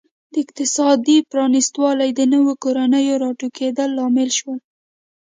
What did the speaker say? د اقتصاد پرانیستوالی د نویو کورنیو راټوکېدل لامل شول.